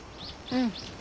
うん。